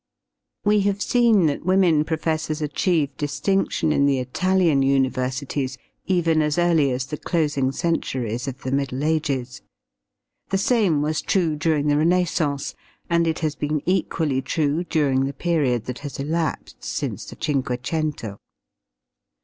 We have seen that women professors achieved distinction in the Italian universities even as early as the closing centuries of the Middle Ages. The same was true during the Renaissance, and it has been equally true during the period that has elapsed since the cinquecento.